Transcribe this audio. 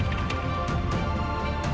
tahlilan itu biasa